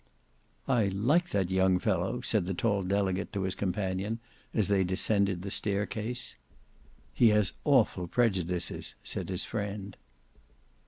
"I like that young fellow," said the tall delegate to his companion, as they descended the staircase. "He has awful prejudices," said his friend.